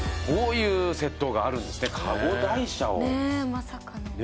まさかの。